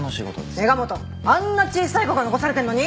メガ本あんな小さい子が残されてるのに！